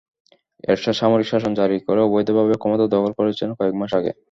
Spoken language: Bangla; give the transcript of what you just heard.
এরশাদ সামরিক শাসন জারি করে অবৈধভাবে ক্ষমতা দখল করেছেন কয়েক মাস আগে।